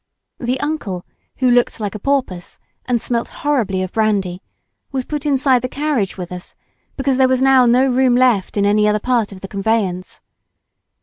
The uncle, who looked like a porpoise and smelt horribly of brandy, was put inside the carriage with us, because there was now no room left in any other part of the conveyance.